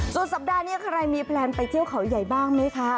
สัปดาห์นี้ใครมีแพลนไปเที่ยวเขาใหญ่บ้างไหมคะ